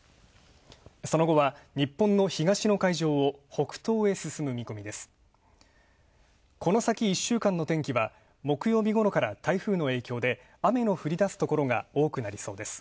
その後は日本の東の海上を北東へ進む見込みです。